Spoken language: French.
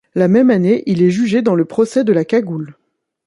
La même année, il est jugé dans le procès de La Cagoule.